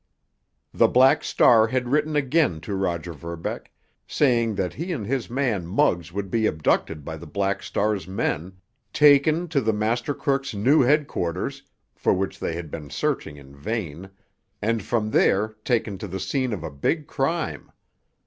The Black Star had written again to Roger Verbeck, saying that he and his man Muggs would be abducted by the Black Star's men, taken to the master crook's new headquarters, for which they had been searching in vain, and from there taken to the scene of a big crime.